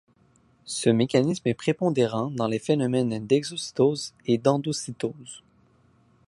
Ce mécanisme est prépondérant dans les phénomènes d'exocytose et d'endocytose.